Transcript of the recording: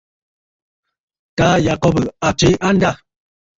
Taà Yacob a tswe andâ.